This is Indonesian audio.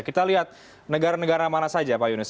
kita lihat negara negara mana saja pak yunus